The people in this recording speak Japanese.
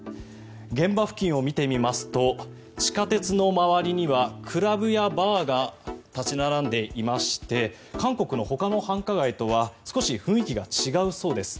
現場付近を見てみますと地下鉄の周りにはクラブやバーが立ち並んでいまして韓国のほかの繁華街とは少し雰囲気が違うそうです。